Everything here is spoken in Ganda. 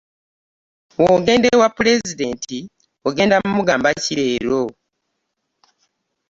Wogenda ewa pulezidenti ogenda kumugamba ki leero?